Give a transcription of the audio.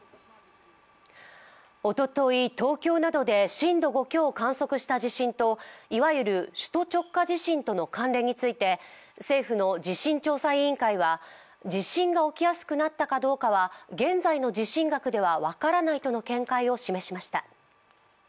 おととい、東京などで震度５強を観測した地震といわゆる首都直下地震との関連について政府の地震調査委員会は地震が起きやすくなったかは現在の地震学では分からないと見解を示しました。